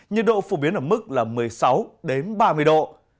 nhiệt độ phổ biến ở mức một mươi sáu đến ba mươi độ